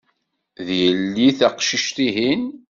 D yelli teqcict-ihin.